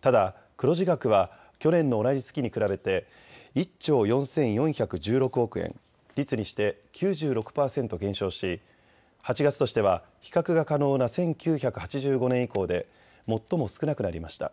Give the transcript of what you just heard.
ただ黒字額は去年の同じ月に比べて１兆４４１６億円、率にして９６％減少し８月としては比較が可能な１９８５年以降で最も少なくなりました。